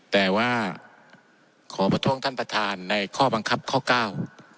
แต่ว่าขอประท้วงท่านประธานในข้อบังคับข้อเก้า